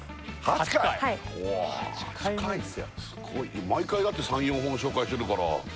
８回すごい毎回だって３４本紹介してるからはい